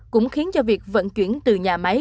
cũng khiến cho việc vận chuyển từ nhà máy